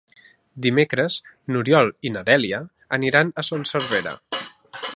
Dimecres n'Oriol i na Dèlia aniran a Son Servera.